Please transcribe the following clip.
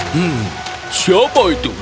hmm siapa itu